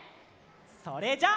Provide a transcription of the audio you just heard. それじゃあ。